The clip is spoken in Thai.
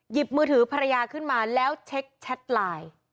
หยิบมือถือภรรยาขึ้นมาแล้วเช็คแชทไลน์